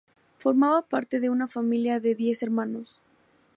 Formaba parte de una familia de diez hermanos.